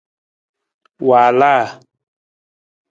Waalaa.